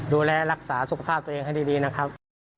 ดูแลรักษาสุขภาพตัวเองให้ดีนะครับ